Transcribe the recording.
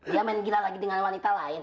dia main gila lagi dengan wanita lain